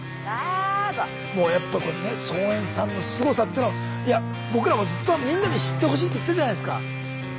もうやっぱこれね操演さんのすごさっていうのをいや僕らもずっとみんなに知ってほしいって言ったじゃないすか。